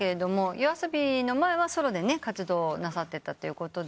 ＹＯＡＳＯＢＩの前はソロで活動なさってたということで。